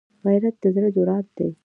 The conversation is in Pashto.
غیرت د زړه جرأت دی